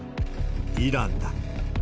イランだ。